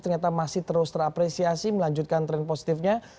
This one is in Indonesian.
ternyata masih terus terapresiasi melanjutkan tren positifnya